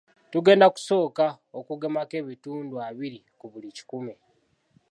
Tugenda kusooka okugemako ebitundu abiri ku buli kikumi.